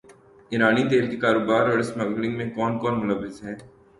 ایرانی تیل کے کاروبار اور اسمگلنگ میں کون کون ملوث ہے